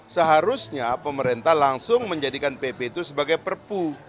seharusnya pemerintah langsung menjadikan pp itu sebagai perpu